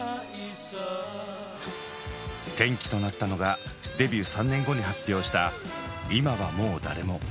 転機となったのがデビュー３年後に発表した「今はもうだれも」。